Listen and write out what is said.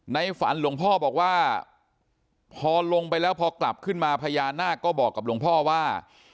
ในฝันหลวงพ่อบอกว่าพอลงไปแล้วพอกลับขึ้นมาพญานาคก็บอกกับหลวงพ่อว่า